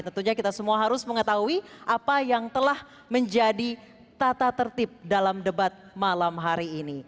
tentunya kita semua harus mengetahui apa yang telah menjadi tata tertib dalam debat malam hari ini